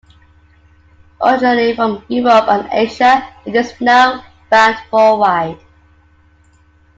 Originally from Europe and Asia, it is now found worldwide.